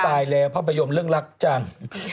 ตายแล้วภาพยนตร์เรื่องรักจัง